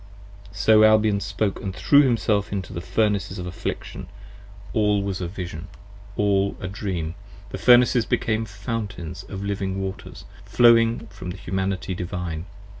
35 So Albion spoke, & threw himself into the Furnaces of affliction. All was a Vision, all a Dream: the Furnaces became Fountains of Living Waters, flowing from the Humanity Divine.